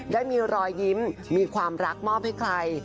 ได้มีรอยยิ้มมีความรักมอบให้ใคร